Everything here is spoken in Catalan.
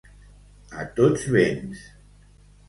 A tots vents.